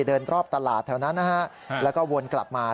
เดินรอบตลาดแถวนั้นนะฮะแล้วก็วนกลับมา